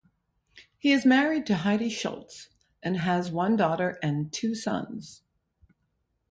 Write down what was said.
He is married to Heidi Schulz and has one daughter and two sons.